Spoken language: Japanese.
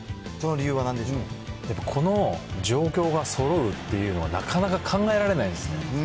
やっぱこの状況がそろうっていうのは、なかなか考えられないんですね。